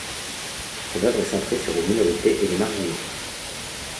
Son œuvre est centrée sur les minorités et les marginaux.